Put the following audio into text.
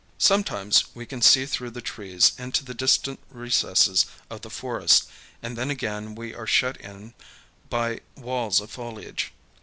Sometimes we can see through the trees into the distant recesses of the forest, and then again we are shut in by walls of foliage.